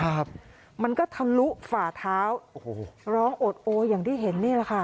ครับมันก็ทะลุฝ่าเท้าโอ้โหร้องโอดโออย่างที่เห็นนี่แหละค่ะ